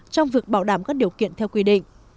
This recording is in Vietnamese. trong việc bảo đảm các điều kiện theo quy định